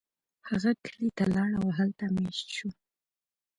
هغه کلی ته لاړ او هلته میشت شو.